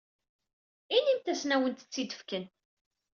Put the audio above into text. Inimt-asen ad awent-tt-id-fken.